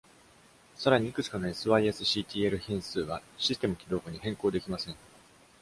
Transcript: さらに、いくつかの sysctl 変数はシステム起動後に変更できません。